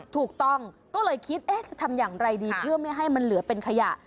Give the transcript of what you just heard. ถูกต้องก็เลยคิดเอ๊ะจะทำอย่างไรดีเพื่อไม่ให้มันเหลือเป็นขยะ